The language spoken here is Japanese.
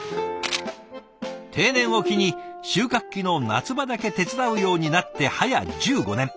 定年を機に収穫期の夏場だけ手伝うようになってはや１５年。